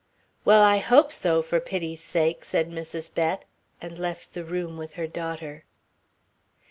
"Well, I hope so, for pity sakes," said Mrs. Bett, and left the room with her daughter.